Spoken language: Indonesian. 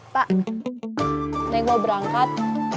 pak mau gue berangkat